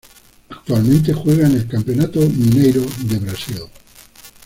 Actualmente juega en el Campeonato Mineiro de Brasil.